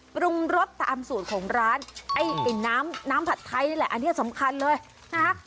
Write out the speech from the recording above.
ปรุงรสตามสูตรของร้านไอ้ไอ้น้ำน้ำผัดไทยนี่แหละอันนี้สำคัญเลยนะคะ